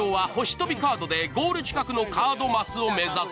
飛びカードでゴール近くのカードマスを目指す。